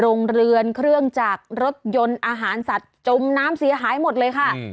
โรงเรือนเครื่องจากรถยนต์อาหารสัตว์จมน้ำเสียหายหมดเลยค่ะ